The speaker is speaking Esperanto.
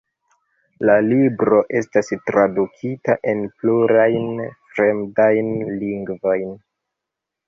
La libro estas tradukita en plurajn fremdajn lingvojn.